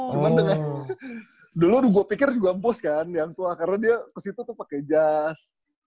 cuman dengan dulu gue pikir juga bos kan di hangtuah karena dia kesitu tuh pake jazz